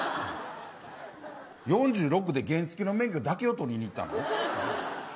４６で原付の免許だけを取りにいったの。